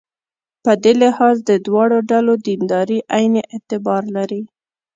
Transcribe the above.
په دې لحاظ د دواړو ډلو دینداري عین اعتبار لري.